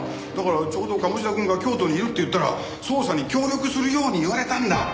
だからちょうど鴨志田くんが京都にいるって言ったら捜査に協力するように言われたんだ！